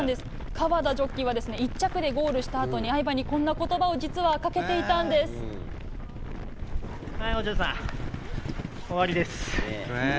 川田ジョッキーは１着でゴールしたあとに愛馬にこんなことばを実はい、お嬢さん、終わりです。